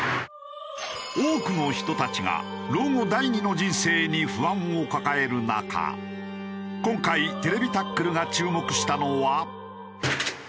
多くの人たちが老後・第２の人生に不安を抱える中今回『ＴＶタックル』が注目したのは。